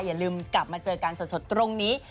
อย่าลืมกลับมาเจอกันสดตรงนี้